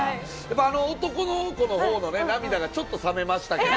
あの男の子のほうの涙がちょっと冷めましたけど。